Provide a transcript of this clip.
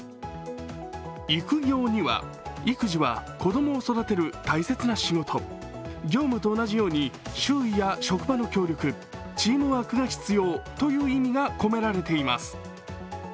育業には育児は子供を育てる大切な仕事、業務と同じように周囲や職場の協力、チームワークが必要という意味が込められています。